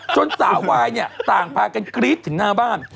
สาววายเนี่ยต่างพากันกรี๊ดถึงหน้าบ้าน